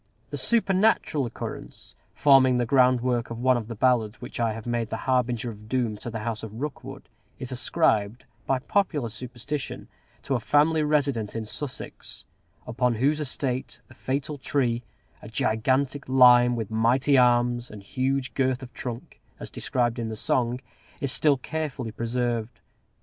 The supernatural occurrence, forming the groundwork of one of the ballads which I have made the harbinger of doom to the house of Rookwood, is ascribed, by popular superstition, to a family resident in Sussex; upon whose estate the fatal tree a gigantic lime, with mighty arms and huge girth of trunk, as described in the song is still carefully preserved.